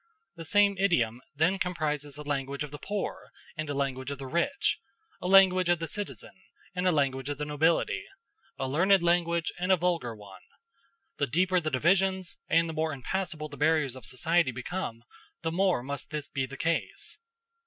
The same idiom then comprises a language of the poor and a language of the rich a language of the citizen and a language of the nobility a learned language and a vulgar one. The deeper the divisions, and the more impassable the barriers of society become, the more must this be the case.